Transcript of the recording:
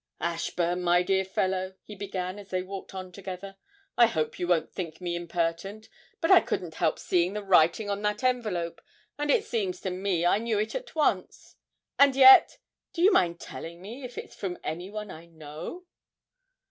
'Ashburn, my dear fellow,' he began, as they walked on together, 'I hope you won't think me impertinent, but I couldn't help seeing the writing on that envelope, and it seems to me I knew it once, and yet do you mind telling me if it's from any one I know?'